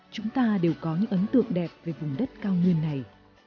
chúng ta đều có những ấn tượng đẹp về vùng đất cao nguyên này